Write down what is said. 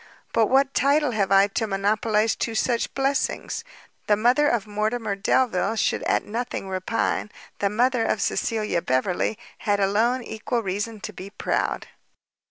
But what title have I to monopolize two such blessings? the mother of Mortimer Delvile should at nothing repine; the mother of Cecilia Beverley had alone equal reason to be proud."